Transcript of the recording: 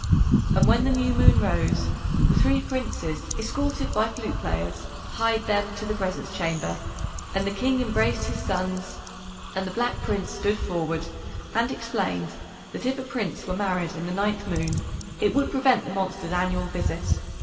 And when the new moon rose, the three Princes, escorted by flute players, hied them to the Presence Chamber, and the King embraced his sons, and the Black Prince stood forward and explained that if a Prince were married in the ninth moon it would prevent the monster's annual visit.